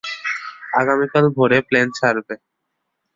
আগামীকাল ভোরে প্লেন ছাড়বে।